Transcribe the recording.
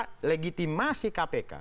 mencoba mendilegitimasi kpk